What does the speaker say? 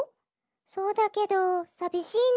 そうだけどさびしいの。